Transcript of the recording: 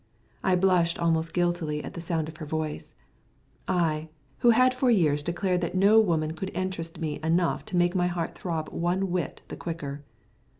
I blushed almost guiltily at the sound of her voice I, who had for years declared that no woman could interest me enough to make my heart throb one whit the quicker.